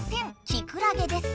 キクラゲです！